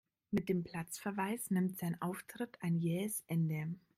Mit dem Platzverweis nimmt sein Auftritt ein jähes Ende.